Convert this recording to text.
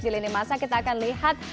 di lini masa kita akan lihat